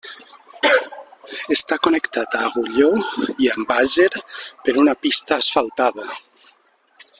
Està connectat a Agulló i amb Àger per una pista asfaltada.